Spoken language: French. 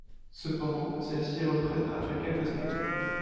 Cependant, celles-ci reprennent après quelques années.